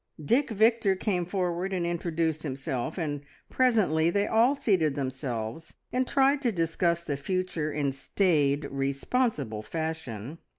Dick Victor came forward and introduced himself, and presently they all seated themselves, and tried to discuss the future in staid, responsible fashion.